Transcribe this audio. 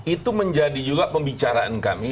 itu menjadi juga pembicaraan kami